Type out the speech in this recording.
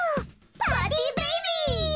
パーティーベイビーズ！